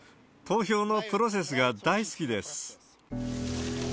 投票のプロセスが大好きです。